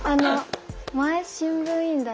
前新聞委員だった。